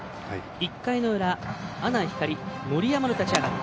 １回の裏、阿南光森山の立ち上がり。